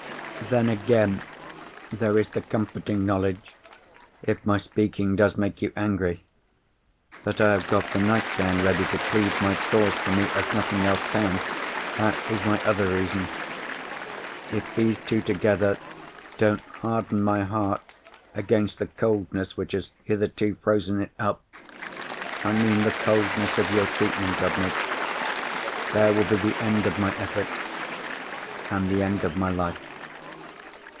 Then, again, there is the comforting knowledge—if my speaking does make you angry—that I have got the nightgown ready to plead my cause for me as nothing else can. That is my other reason. If these two together don't harden my heart against the coldness which has hitherto frozen it up (I mean the coldness of your treatment of me), there will be the end of my efforts—and the end of my life.